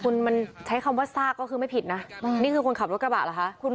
คุณมันใช้คำว่าซากก็คือไม่ผิดนะนี่คือคนขับรถกระบะเหรอคะ